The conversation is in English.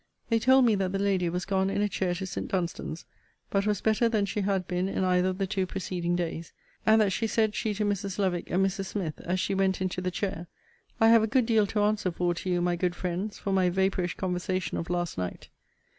They told me that the lady was gone in a chair to St. Dunstan's: but was better than she had been in either of the two preceding days; and that she said she to Mrs. Lovick and Mrs. Smith, as she went into the chair, I have a good deal to answer for to you, my good friends, for my vapourish conversation of last night.